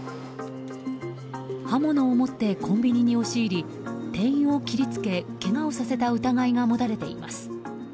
刃物を持ってコンビニに押し入り店員を切り付けけがをさせた疑いが持たれています。